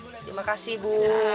terima kasih bu